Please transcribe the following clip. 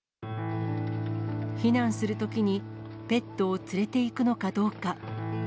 避難するときに、ペットを連れていくのかどうか。